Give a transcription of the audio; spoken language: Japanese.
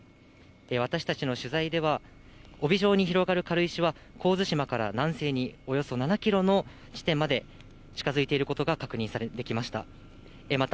私たちの取材では、帯状に広がる軽石は、神津島から南西におよそ７キロの地点まで近づいていることが確認できました。